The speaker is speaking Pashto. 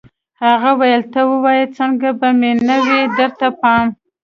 هغه ویل ته وایه څنګه به مې نه وي درته پام